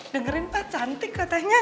dengerin pak cantik katanya